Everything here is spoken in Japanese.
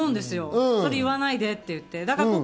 それ言わないでって言って。